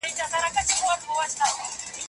موږ دلته د دښمنۍ لپاره نه یو راغلي.